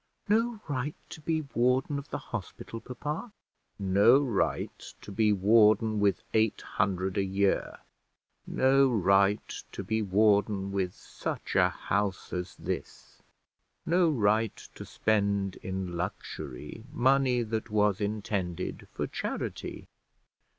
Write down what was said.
"No right to be warden of the hospital, papa?" "No right to be warden with eight hundred a year; no right to be warden with such a house as this; no right to spend in luxury money that was intended for charity.